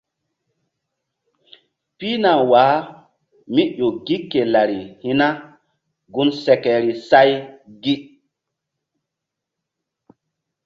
Pihna waka mí ƴo gi ke lari hi̧ na gun sekeri say gi.